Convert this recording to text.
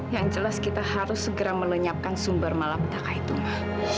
yang jelas kita harus segera melenyapkan sumber malapetaka itu ma